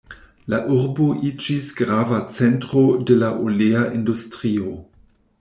La urbo iĝis grava centro de la olea industrio.